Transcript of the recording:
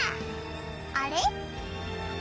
あれ？